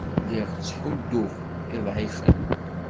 Lliɣ ttḥudduɣ uḍɛifen.